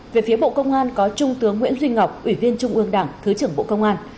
về phía bộ công an có trung tướng nguyễn duy ngọc ủy viên trung ương đảng thứ trưởng bộ công an